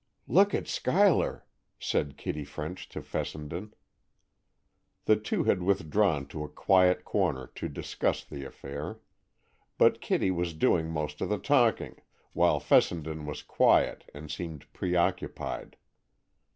"Look at Schuyler," said Kitty French to Fessenden. The two had withdrawn to a quiet corner to discuss the affair. But Kitty was doing most of the talking, while Fessenden was quiet and seemed preoccupied.